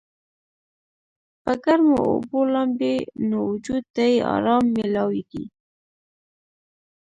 پۀ ګرمو اوبو لامبي نو وجود ته ئې ارام مېلاويږي